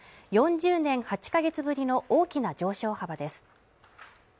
４０年８か月ぶりの大きな上昇幅です